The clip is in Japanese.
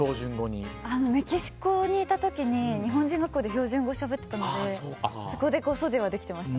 メキシコにいた時に日本人学校で標準語をしゃべってたのでそこで、できてました。